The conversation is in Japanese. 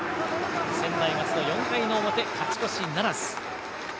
専大松戸４回の表、勝ち越しならず。